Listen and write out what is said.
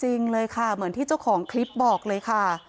จริงเลยค่ะเหมือนที่เจ้าของคลิปบอกเลยค่ะ